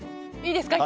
いいですか？